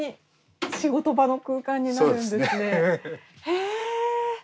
へえ！